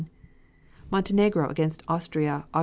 Montenegro against Austria, Aug.